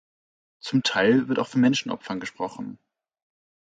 Zum Teil wird auch von Menschenopfern gesprochen.